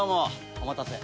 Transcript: お待たせ。